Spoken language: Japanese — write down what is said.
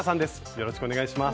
よろしくお願いします。